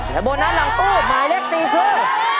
และโบนัสหลังตู้หมายเลข๔คือ